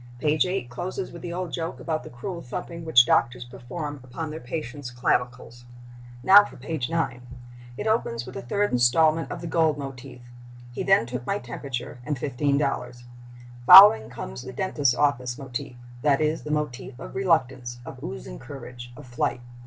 Page 8 closes with the old joke about the cruel thumping which doctors perform upon their patients' clavicles. Now for page 9. It opens with a third statement of the gold motif—"He then took my temperature and $15." Following comes the dentist's office motif—that is, the motif of reluctance, of oozing courage, of flight.